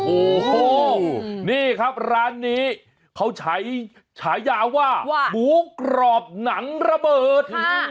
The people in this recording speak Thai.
โอ้โหนี่ครับร้านนี้เขาใช้ฉายาว่าหมูกรอบหนังระเบิด